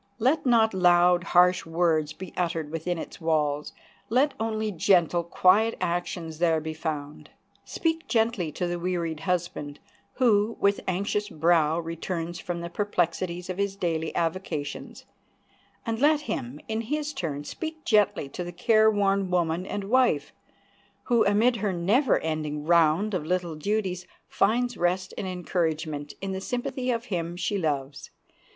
Let not loud, harsh words be uttered within its walls. Let only gentle, quiet actions there be found. Speak gently to the wearied husband, who, with anxious brow, returns from the perplexities of his daily avocations; and let him, in his turn, speak gently to the care worn woman and wife, who, amid her never ending round of little duties, finds rest and encouragement in the sympathy of him she loves.